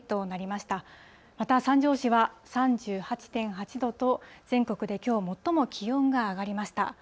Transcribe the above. また、三条市は３８．８度と、全国できょう最も気温が上がりました。